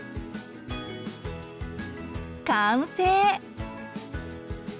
完成。